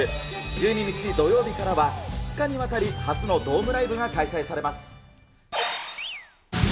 １２日土曜日からは、２日にわたり、初のドームライブが開催されます。